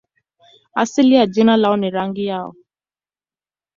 Asili ya jina lao ni rangi yao.